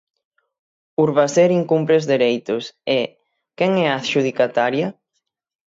Urbaser incumpre os dereitos e, quen é a adxudicataria?